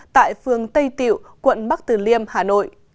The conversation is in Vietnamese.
tại phường tây tiệu quận bắc từ liêm hà nội